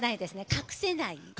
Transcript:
隠せない。